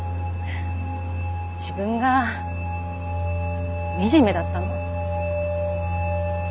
自分が惨めだったの。